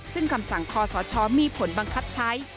ซึ่งคำสั่งคอสชมีผลบังคับใช้